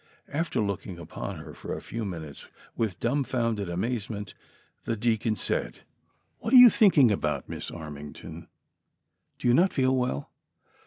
After looking upon her for a few minutes with dumb founded amazement, the deacon said :'' What are you thinking about. Miss Armington ? Do you not feel well?